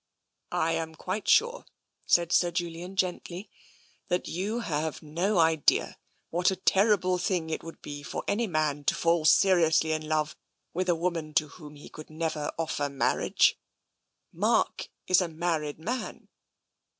" I am quite sure," said Sir Julian gently, " that you have no idea what a terrible thing it would be for any man to fall seriously in love with a woman to whom he could never offer marriage. Mark is a married man."